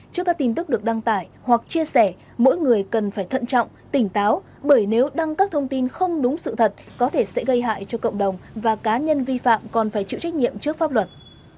trước các tin tức được đăng tải hoặc chia sẻ mỗi người cần phải thận trọng tỉnh táo bởi nếu đăng các thông tin không đúng sự thật có thể sẽ gây hại cho cộng đồng và cá nhân vi phạm còn phải chịu trách nhiệm trước pháp luật